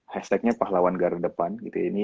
hashtagnya pahlawan garda depan